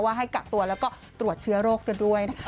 ว่าให้กะตัวแล้วก็ตรวจเชื้อโรคด้วยนะคะ